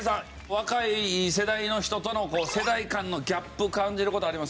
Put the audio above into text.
若い世代の人との世代間のギャップ感じる事ありますか？